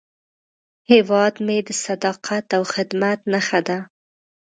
هیواد مې د صداقت او خدمت نښه ده